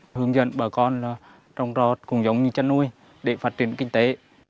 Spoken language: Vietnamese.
thứ hai là hướng dẫn bà con trong trò cùng giống như chăn nuôi để phát triển kinh tế